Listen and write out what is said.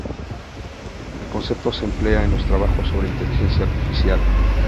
El concepto se emplea en los trabajos sobre inteligencia artificial.